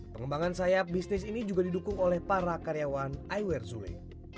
pengembangan sayap bisnis ini juga didukung oleh para karyawan aywear zule